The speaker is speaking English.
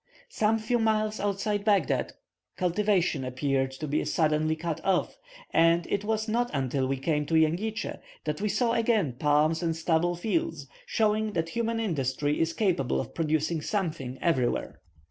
Some few miles outside Baghdad cultivation appeared to be suddenly cut off, and it was not until we came to Jengitsche that we saw again palms and stubble fields, showing that human industry is capable of producing something everywhere.